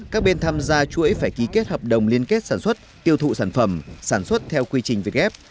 các bên tham gia chuỗi phải ký kết hợp đồng liên kết sản xuất tiêu thụ sản phẩm sản xuất theo quy trình việt gap